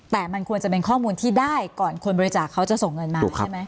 แต่มันควรจะเป็นข้อมูลที่ได้ก่อนคนบริจาคเขาจะส่งเงินมาใช่ไหม